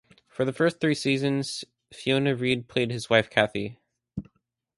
For the first three seasons, Fiona Reid played his wife Cathy.